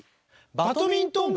バドミントン部！